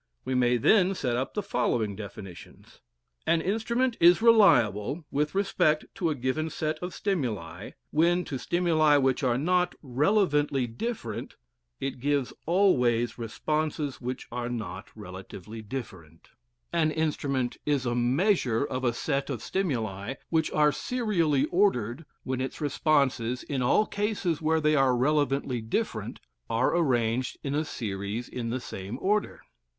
We may then set up the following definitions: An instrument is "reliable" with respect to a given set of stimuli when to stimuli which are not relevantly different it gives always responses which are not relevantly different. An instrument is a "measure" of a set of stimuli which are serially ordered when its responses, in all cases where they are relevantly different, are arranged in a series in the same order.